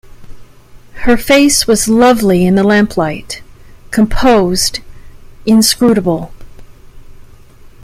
Her face was lovely in the lamplight, composed, inscrutable.